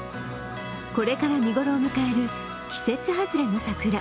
これから見頃を迎える季節外れの桜。